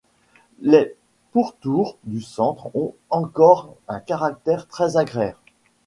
Les pourtours du centre ont encore un caractère très agraire.